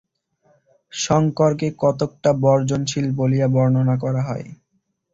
শঙ্করকে কতকটা বর্জনশীল বলিয়া বর্ণনা করা হয়।